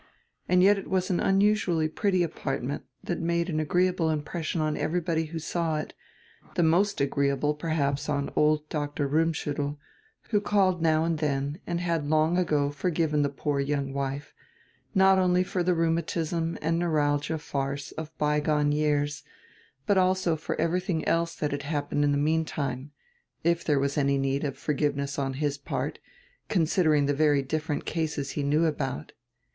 And yet it was an unusually pretty apartment, diat made an agreeable im pression on everybody who saw it, die most agreeable per haps on old Dr. Rummschiittel, who called now and dien and had long ago forgiven die poor young wife, not only for die rheumatism and neuralgia farce of bygone years, but also for everything else diat had happened in the mean time — if tliere was any need of forgiveness on his part, considering die very different cases he knew about.